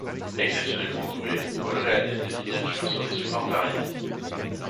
Exceptionnellement doué, Hall réalise des miniatures sur des supports variés.